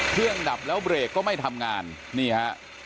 เครื่องดับแล้วเบรกก็ไม่ทำงานนี่ฮะ